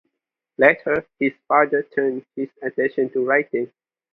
Later, his father turned his attention to writing.